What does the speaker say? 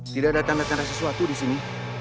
tidak ada tanda tanda sesuatu disini